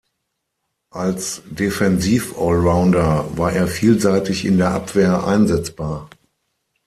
Als Defensiv-Allrounder war er vielseitig in der Abwehr einsetzbar.